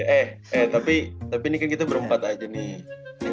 eh eh tapi ini kan kita berempat aja nih